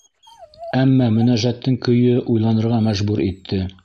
Әммә мөнәжәттең көйө уйланырға мәжбүр итте.